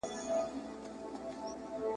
مُلا قاضي وي ملا افسر وي ..